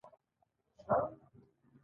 د کور پر دیوال رنګ نازک شوی و.